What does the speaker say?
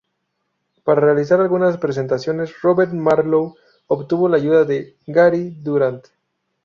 Para realizar algunas presentaciones, Robert Marlow obtuvo la ayuda de Gary Durant.